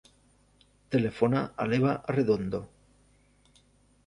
Telefona a l'Eva Arredondo.